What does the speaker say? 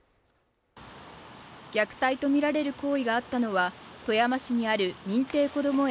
虐待とみられる行為があったのは富山市にある認定こども園